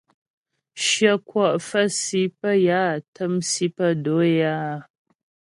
Shyə kwɔ' fə̌ si pə́ yə á təm si pə́ do'o é áa.